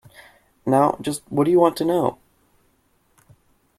Now just what do you want to know.